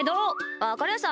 わかりました。